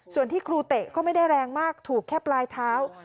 ส่วนที่ครูเตะก็ไม่ได้แรงมากถูกแค่ปลายเท้า